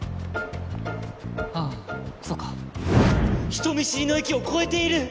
あぁそうか人見知りの域を超えている！